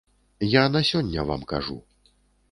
Я на сёння вам кажу.